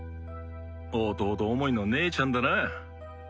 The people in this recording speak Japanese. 弟思いの姉ちゃんだな。